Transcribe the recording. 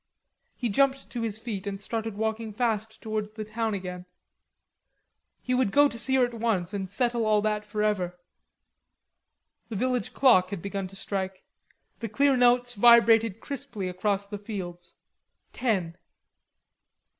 He jumped to his feet and started walking fast towards the town again. He would go to see her at once and settle all that forever. The village clock had begun to strike; the clear notes vibrated crisply across the fields: ten.